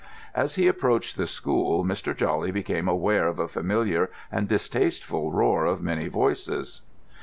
As he approached the school, Mr. Jawley became aware of the familiar and distasteful roar of many voices.